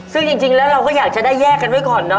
ซึ่งจริงแล้วเราก็อยากจะได้แยกกันไว้ก่อนเนอ